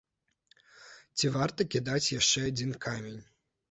Ці варта кідаць яшчэ адзін камень?